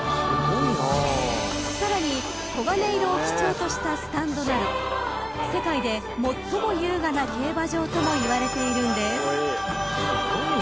［さらに黄金色を基調としたスタンドなど世界で最も優雅な競馬場ともいわれているんです］